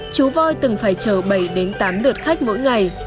chú voi từng phải chờ bảy đến tám lượt khách mỗi ngày